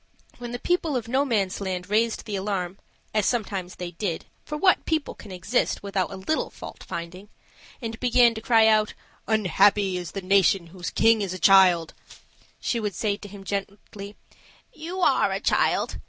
When the people of Nomansland raised the alarm as sometimes they did for what people can exist without a little fault finding? and began to cry out, "Un happy is the nation whose king is a child," she would say to him gently, "You are a child.